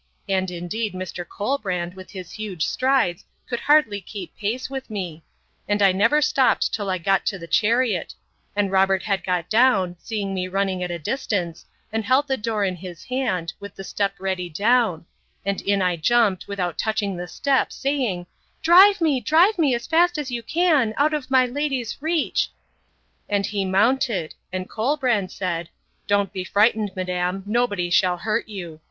And, indeed, Mr. Colbrand, with his huge strides, could hardly keep pace with me; and I never stopped, till I got to the chariot; and Robert had got down, seeing me running at a distance, and held the door in his hand, with the step ready down; and in I jumped, without touching the step, saying, Drive me, drive me, as fast as you can, out of my lady's reach! And he mounted; and Colbrand said, Don't be frightened, madam; nobody shall hurt you.